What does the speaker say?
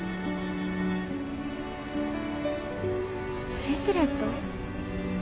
ブレスレット？